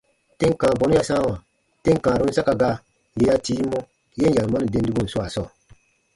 Tem kãa bɔnu ya sãawa tem kãarun saka gaa yè ya tii mɔ yen yarumani dendibun swaa sɔɔ.